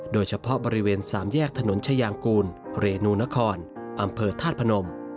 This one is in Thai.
โดยเฉพาะบริเวณสามแยกถนนชายางกูลเรนูนครอำเภอธาตุพนม